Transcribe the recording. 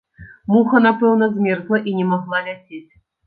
Муха, напэўна, змерзла і не магла ляцець.